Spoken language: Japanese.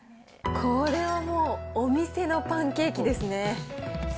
これはもうお店のパンケーキですね。